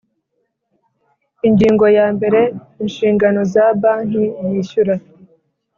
Ingingo ya mbere Inshingano za banki yishyura